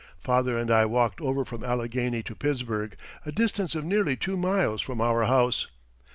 Father and I walked over from Allegheny to Pittsburgh, a distance of nearly two miles from our house.